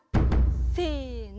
せの。